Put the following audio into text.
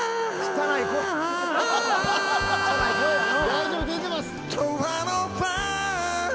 大丈夫出てます。